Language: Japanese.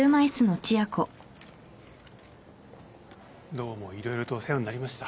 どうも色々とお世話になりました。